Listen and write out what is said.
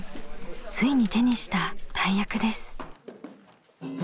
ついに手にした大役です。